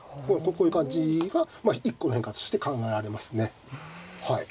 こういう感じが一個の変化として考えられますね。